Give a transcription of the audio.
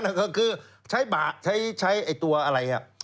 จริงครับก็ใช้ตัวอะไร